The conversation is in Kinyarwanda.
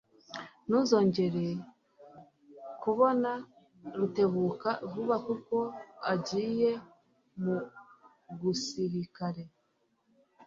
Ntuzongera kubona Rutebuka vuba kuko ajyiye mu gusirikare.